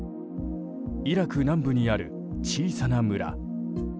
イラク南部にある小さな村。